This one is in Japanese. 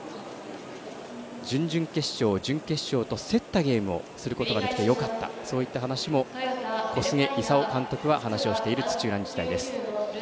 準々決勝、準決勝と競ったゲームをすることができてよかった、そういった話も小菅勲監督は話をしている土浦日大です。